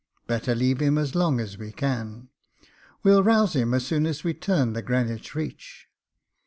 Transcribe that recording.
Better leave him as long as we can. We'll rouse him as soon as we turn the Greenwich reach.